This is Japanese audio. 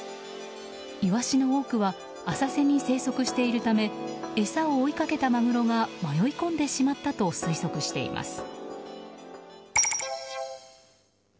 イワシの多くは浅瀬に生息しているため餌を追いかけたマグロが迷い込んでしまったと推測しています。